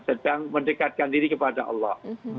sedang mendekatkan diri kepada allah